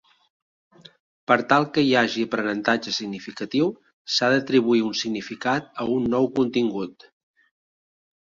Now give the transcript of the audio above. Per tal que hi hagi aprenentatge significatiu s'ha d'atribuir un significat a un nou contingut.